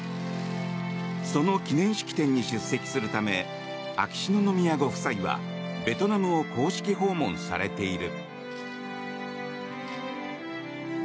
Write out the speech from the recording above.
その記念式典に出席するため秋篠宮ご夫妻はベトナムを公式訪問されている。